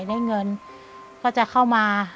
ได้เงินก็จะเข้ามา